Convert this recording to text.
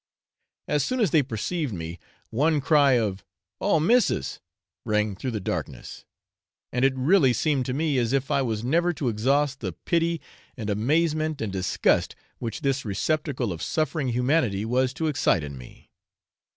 As soon as they perceived me, one cry of 'Oh missis!' rang through the darkness; and it really seemed to me as if I was never to exhaust the pity and amazement and disgust which this receptacle of suffering humanity was to excite in me.